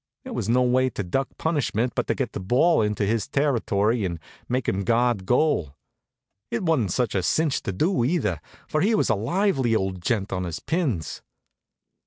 There was no way to duck punishment but to get the ball into his territory and make him guard goal. It wa'n't such a cinch to do, either, for he was a lively old gent on his pins.